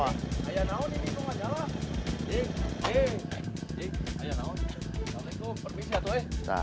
assalamualaikum permisi ya tuh eh